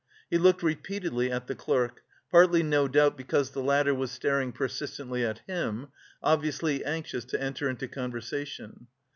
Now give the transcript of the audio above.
He looked repeatedly at the clerk, partly no doubt because the latter was staring persistently at him, obviously anxious to enter into conversation.